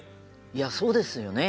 いやそうですよね。